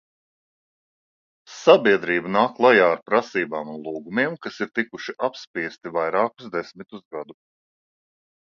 Sabiedrība nāk klajā ar prasībām un lūgumiem, kas ir tikuši apspiesti vairākus desmitus gadu.